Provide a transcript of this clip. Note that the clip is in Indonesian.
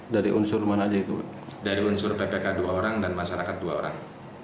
dari unsur ppk dua orang dan masyarakat dua orang